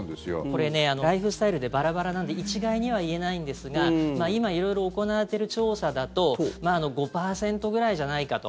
これねライフスタイルでバラバラなんで一概には言えないんですが今、色々行われている調査だと５％ぐらいじゃないかと。